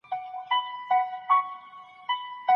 طبي پوهنځۍ په خپلواکه توګه نه اداره کیږي.